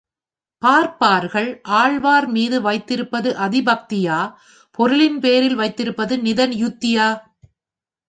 பார்ப்பார்கள் ஆழ்வார் மீது வைத்திருப்பது அதிபக்தியா, பொருளின் பேரில் வைத்திருப்பது நித யுக்தியா.